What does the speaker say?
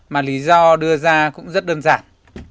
mà lý do đưa ra cũng rất đơn giản